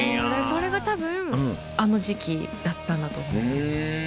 それが多分あの時期だったんだと思います。